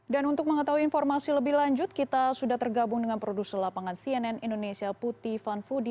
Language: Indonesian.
dan untuk mengetahui informasi lebih lanjut kita sudah tergabung dengan produser lapangan cnn indonesia putih van fudi